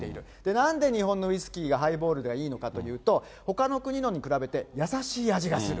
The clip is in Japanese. なんで日本のウイスキーが、ハイボールがいいのかというと、ほかの国のに比べて優しい味がする。